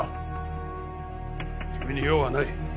君に用はない。